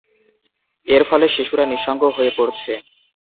এর ফলে শিশুরা নিঃসঙ্গ হয়ে পড়ছে।